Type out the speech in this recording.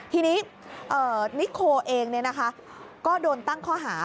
ทีนี้นิโคเองก็โดนตั้งข้อหา